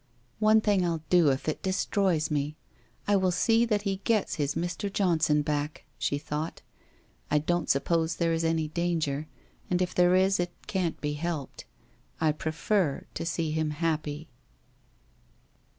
* One thing I'll do, if it destroys me! I will see that he gets his Mr. Johnson back,' she thought. ' I don't suppose there is any danger, and if there is, it can't be helped. I prefer to see him happy